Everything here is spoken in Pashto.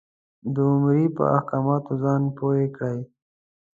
د عمرې په احکامو ځان پوی کړې.